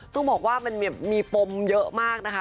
ต้องบอกว่ามันมีปมเยอะมากนะคะ